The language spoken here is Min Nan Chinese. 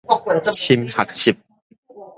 深學習